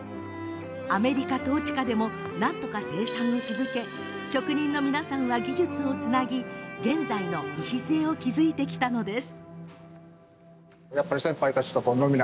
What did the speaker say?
アメリカ統治下でもなんとか生産を続け職人たちは技術をつなぎ現在の礎を築いてきたのです。